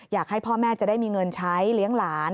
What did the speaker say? อยากให้พ่อแม่จะได้มีเงินใช้เลี้ยงหลาน